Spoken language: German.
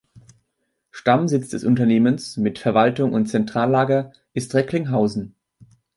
Stammsitz des Unternehmens mit Verwaltung und Zentrallager ist Recklinghausen.